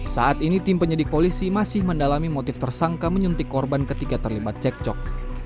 saat ini tim penyidik polisi masih mendalami motif tersangka menyuntik korban ketika terlibat cekcok